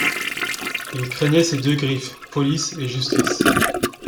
Il craignait ces deux griffes, police et justice.